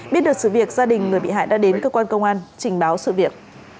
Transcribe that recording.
biết được sự việc gia đình người bị hại đã đến cơ quan công an trình báo sự việc